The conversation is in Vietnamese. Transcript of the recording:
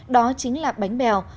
đó chính là bánh bèo